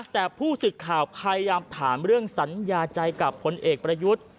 แต่ผู้สื่อข่าวพยายามถามเรื่องสัญญาใจกับผลเอกประยุทธ์